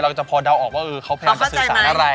เราจะพอเดาออกว่าเขาพยายามจะสื่อสารอะไร